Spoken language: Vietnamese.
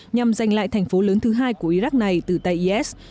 nhằm giành lại thành phố lớn thứ hai của iraq này từ tay is